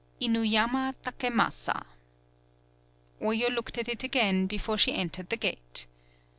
Inuyama Takemasa. ... Oyo looked at it again before she en tered the gate.